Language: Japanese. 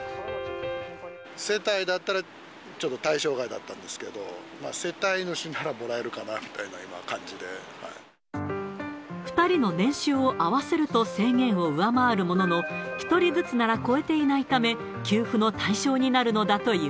世帯だったら、ちょっと対象外だったんですけど、世帯主にならもらえるかなみたい２人の年収を合わせると制限を上回るものの、１人ずつなら超えていないため、給付の対象になるのだという。